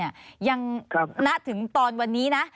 ณถึงตอนวันนี้นะ